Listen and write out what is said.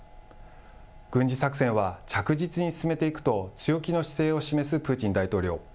軍事作戦は着実に進めていくと強気の姿勢を示すプーチン大統領。